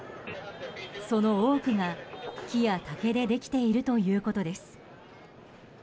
その多くが、木や竹でできているということです。